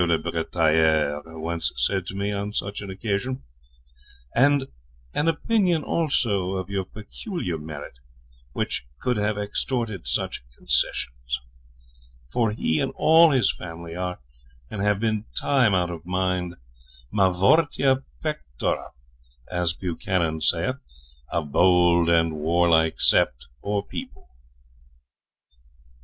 Le Bretailleur, once said to me on such an occasion, and an opinion also of your peculiar merit, could have extorted such concessions; for he and all his family are, and have been, time out of mind, Mavortia pectora, as Buchanan saith, a bold and warlike sept, or people.'